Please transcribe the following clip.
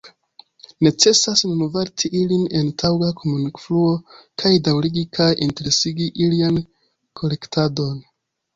Necesas nun varti ilin en taŭga komunikfluo kaj daŭrigi kaj intensigi ilian kolektadon.